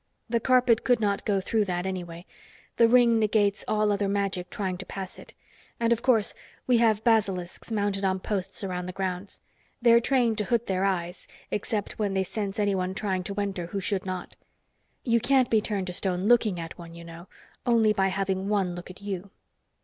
The carpet could not go through that, anyway. The ring negates all other magic trying to pass it. And of course we have basilisks mounted on posts around the grounds. They're trained to hood their eyes, except when they sense anyone trying to enter who should not. You can't be turned to stone looking at one, you know only by having one look at you."